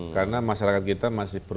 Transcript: karena masyarakat kita masih